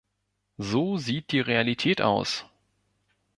So sieht die Realität aus.